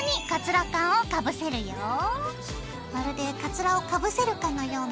まるでカツラをかぶせるかのような。